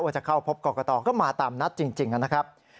จะเข้าพบกรกตก็มาตามนัดจริงนะครับ